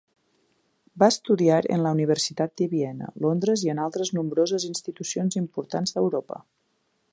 Va estudiar en la Universitat de Viena, Londres i en altres nombroses institucions importants d'Europa.